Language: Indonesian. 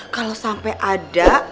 kalau sampai ada